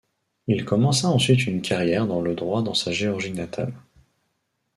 Il commença ensuite une carrière dans le droit dans sa Géorgie natale.